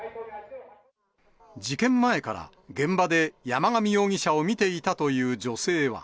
事件前から、現場で山上容疑者を見ていたという女性は。